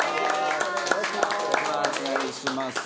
お願いします。